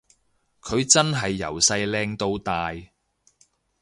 佢真係由細靚到大